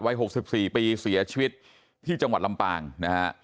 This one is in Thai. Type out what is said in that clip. ๖๔ปีเสียชีวิตที่จังหวัดลำปางนะฮะ